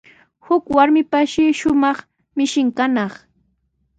Huk warmipashi shumaq mishin kanaq.